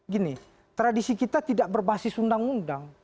gini tradisi kita tidak berbasis undang undang